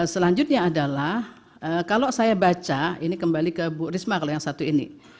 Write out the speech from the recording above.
selanjutnya adalah kalau saya baca ini kembali ke bu risma kalau yang satu ini